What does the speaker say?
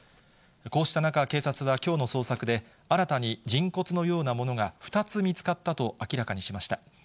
こうした中、警察はきょうの捜索で、新たに人骨のようなものが２つ見つかったと明らかにしました。